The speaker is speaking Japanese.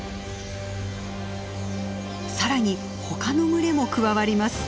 さらに他の群れも加わります。